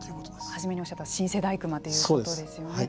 初めにおっしゃった新世代クマということですね。